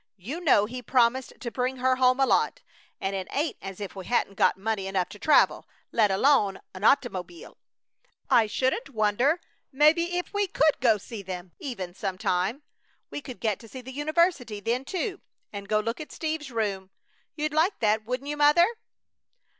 You know he promised to bring her home a lot, and it ain't as if he hadn't got money enough to travel, let alone a nottymobeel. I shouldn't wonder maybe if we could go see them, even, some time. We could get to see the university then, too, and go look at Steve's room. You'd like that, wouldn't you, Mother?"